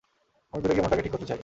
আমি দূরে গিয়ে মনটাকে ঠিক করতে চাই।